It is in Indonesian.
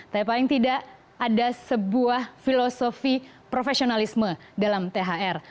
tapi paling tidak ada sebuah filosofi profesionalisme dalam thr